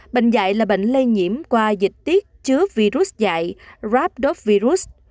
bệnh dạy là bệnh lây nhiễm qua dịch tiết chứa virus dạy rhabdovirus